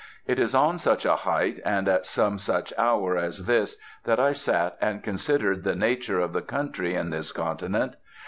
It was on such a height, and at some such hour as this, that I sat and considered the nature of the country in this continent.